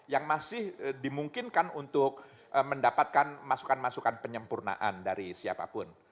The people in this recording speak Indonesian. yang masih dimungkinkan untuk mendapatkan masukan masukan penyempurnaan dari siapapun